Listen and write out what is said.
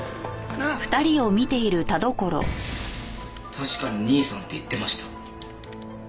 確かに「兄さん」って言ってました。